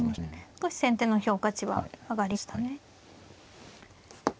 少し先手の評価値は上がりましたね。